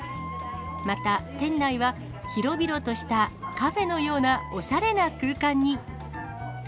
また店内は、広々としたカフェのようなおしゃれな空間に。